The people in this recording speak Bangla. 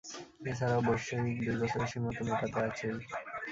এছাড়াও বৈশ্বয়িক দুই বছরের সীমা তো মেটাতে আছেই।